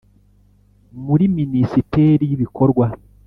muri Minisiteri y Ibikorwa